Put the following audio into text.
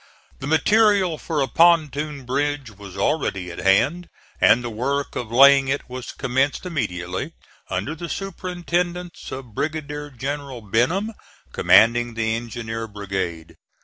The material for a pontoon bridge was already at hand and the work of laying it was commenced immediately, under the superintendence of Brigadier General Benham, commanding the engineer brigade.